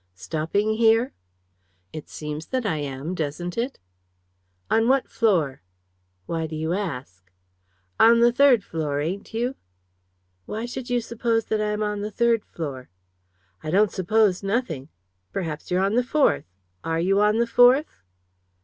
"Stopping here?" "It seems that I am, doesn't it?" "On what floor?" "Why do you ask?" "On the third floor, ain't you?" "Why should you suppose that I am on the third floor?" "I don't suppose nothing. Perhaps you're on the fourth. Are you on the fourth?"